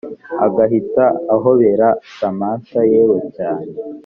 agahita ahobera samantha yewe cyane